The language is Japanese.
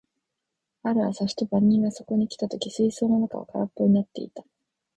ある朝、ふと番人がそこに来た時、水槽の中は空っぽになっていた。